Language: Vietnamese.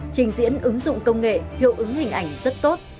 trình diễn ứng dụng công nghệ hiệu ứng hình ảnh rất tốt